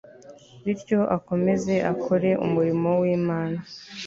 bityo akomeze akore umurimo w'imana